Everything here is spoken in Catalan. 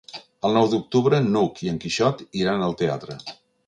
El nou d'octubre n'Hug i en Quixot iran al teatre.